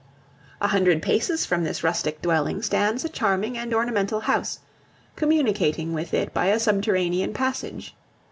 A hundred paces from this rustic dwelling stands a charming and ornamental house, communicating with it by a subterranean passage.